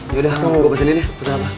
yaudah kita mau gue pesenin ya pesen apa